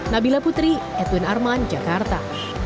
nabila putri edwin arman jakarta